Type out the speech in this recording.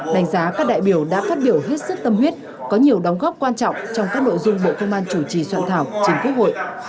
đánh giá các đại biểu đã phát biểu hết sức tâm huyết có nhiều đóng góp quan trọng trong các nội dung bộ công an chủ trì soạn thảo chính quốc hội